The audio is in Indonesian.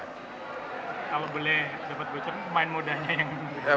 kalau boleh sebut sebut pemain mudanya yang